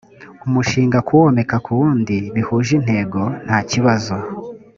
umushinga kuwomeka ku wundi bihuje intego ntakibazo